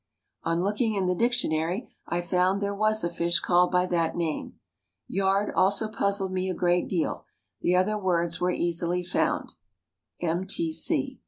On looking in the dictionary I found there was a fish called by that name. "Yard" also puzzled me a great deal. The other words were easily found. M. T. C.